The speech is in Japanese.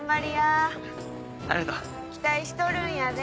期待しとるんやで。